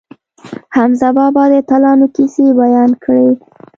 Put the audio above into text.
حمزه بابا د اتلانو کیسې بیان کړې.